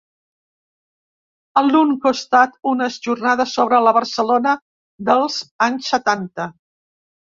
A l’un costat, unes jornades sobre la Barcelona dels anys setanta.